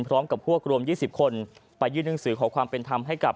พร้อมกับพวกรวม๒๐คนไปยื่นหนังสือขอความเป็นธรรมให้กับ